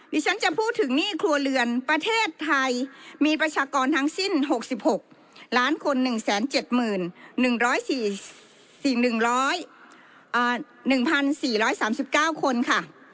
ดิฉันจะพูดถึงหนี้ครัวเรือนประเทศไทยมีประชากรทั้งสิ้น๖๖ล้านคน๑๗๑๔๓๙คนค่ะ